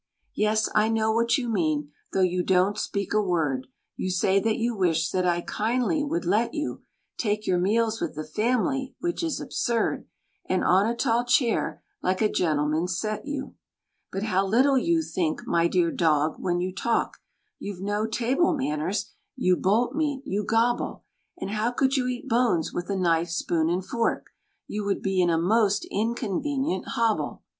Yes! I know what you mean, though you don't speak a word; You say that you wish that I kindly would let you Take your meals with the family, which is absurd, And on a tall chair like a gentleman set you. But how little you think, my dear dog, when you talk; You've no "table manners," you bolt meat, you gobble; And how could you eat bones with a knife, spoon, and fork? You would be in a most inconvenient hobble.